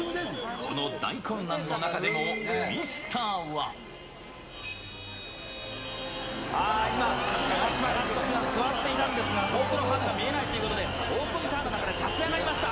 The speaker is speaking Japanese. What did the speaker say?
この大混乱の中でも、ミスタあー、今、長嶋監督が座っていたんですが、遠くのファンが見えないということで、オープンカーの中で立ち上がりました。